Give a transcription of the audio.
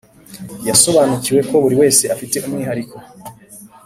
yasobanukiwe ko buri wese afite umwihariko